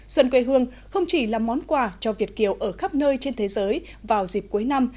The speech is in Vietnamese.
xuân quê hương không chỉ là món quà cho việt kiều ở khắp nơi trên thế giới vào dịp cuối năm